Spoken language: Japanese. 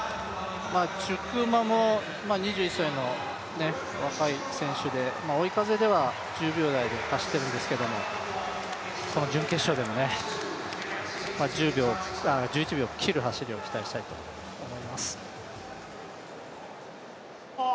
チュクウマも２１歳の若い選手で、追い風では１０秒台で走っているんですけども、この準決勝でも１１秒を切る走りを期待したいと思います。